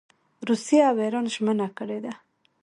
روسیې او اېران ژمنه کړې ده.